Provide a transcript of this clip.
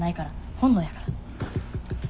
本能やから。